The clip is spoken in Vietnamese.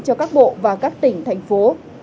cho các bộ và các tỉnh thành phố